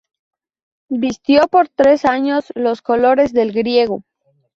Vistió por tres años los colores del "griego.